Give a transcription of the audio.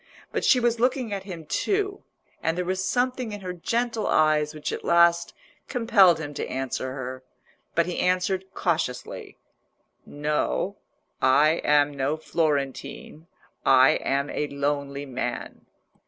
But she was looking at him too, and there was something in her gentle eyes which at last compelled him to answer her. But he answered cautiously— "No, I am no Florentine; I am a lonely man."